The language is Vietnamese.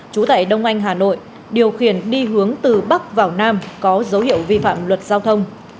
trú tại đông anh hà nội điều khiển đi hướng từ bắc vào nam có dấu hiệu vi phạm luật giao thông